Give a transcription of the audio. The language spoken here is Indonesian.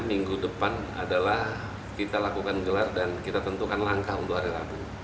minggu depan adalah kita lakukan gelar dan kita tentukan langkah untuk hari rabu